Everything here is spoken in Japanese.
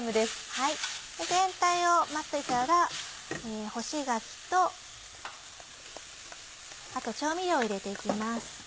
全体を混ぜたら干し柿とあと調味料を入れて行きます。